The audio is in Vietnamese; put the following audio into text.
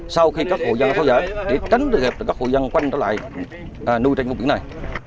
sau khi các hội dân thói giải để tránh được các hội dân quay trở lại nuôi trên vùng biển này